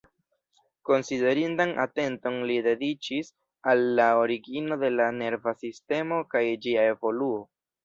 Konsiderindan atenton li dediĉis al la origino de la nerva sistemo kaj ĝia evoluo.